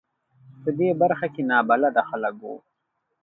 په دې برخه کې نابلده خلک و.